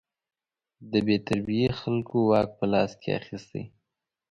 د بې تربیې خلکو واک په لاس کې اخیستی.